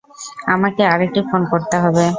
আমাকে আরেকটি ফোন করতে হবে।